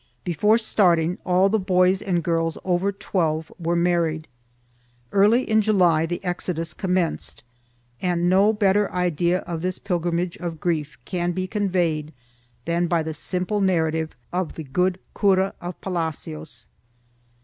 Before starting, all the boys and girls over twelve were married. Early in July the exodus commenced and no better idea of this pilgrimage of grief can be conveyed than by the simple narrative of the good cura of Palacios.